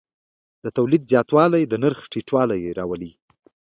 د تولید زیاتوالی د نرخ ټیټوالی راولي.